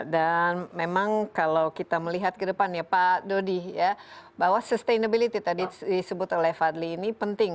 dan memang kalau kita melihat ke depan ya pak dodi bahwa sustainability tadi disebut oleh fadli ini penting